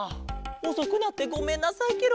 おそくなってごめんなさいケロ。